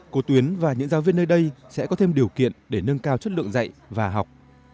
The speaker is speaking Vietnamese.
cô tuyến và những giáo viên nơi đây sẽ có thêm điều kiện để nâng cao chất lượng dạy và học